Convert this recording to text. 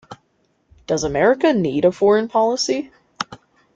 Does America Need a Foreign Policy?